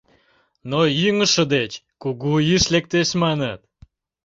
Но ӱҥышӧ деч кугу ӱш лектеш, маныт.